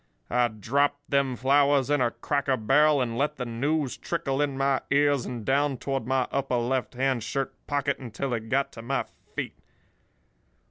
"I dropped them flowers in a cracker barrel, and let the news trickle in my ears and down toward my upper left hand shirt pocket until it got to my feet.